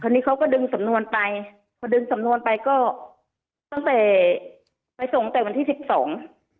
อันนี้เขาก็ดึงสำนวนไปพอดึงสำนวนไปก็ตั้งแต่ไปส่งแต่วันที่สิบสอง